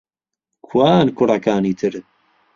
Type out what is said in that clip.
کوان کوڕەکانی تر؟